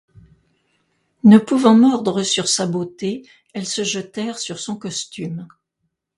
Ne pouvant mordre sur sa beauté, elles se jetèrent sur son costume.